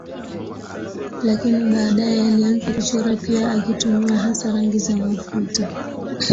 Lakini baadaye alianza kuchora pia akitumia hasa rangi za mafuta.